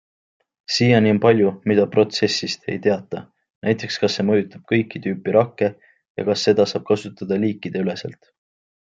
Siiani on palju, mida protsessist ei teata, näiteks kas see mõjutab kõike tüüpi rakke ja kas seda saab kasutada liikideüleselt.